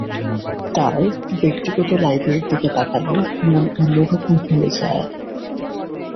তাঁর ব্যক্তিগত লাইব্রেরির দিকে তাকালে মন অন্য রকম হয়ে যায়।